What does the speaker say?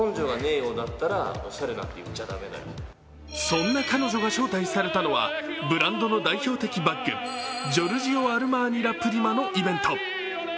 そんな彼女が招待されたのはブランドの代表的バッグジョルジオアルマーニラプリマのイベント。